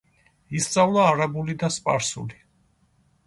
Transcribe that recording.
ისწავლა არაბული და სპარსული.